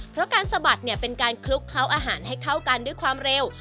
เพราะการสะบัดเนี่ยเป็นการคลุกเคล้าอาหารให้เข้ากันด้วยความเร็ว